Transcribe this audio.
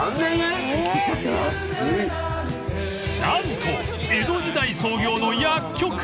［何と江戸時代創業の薬局］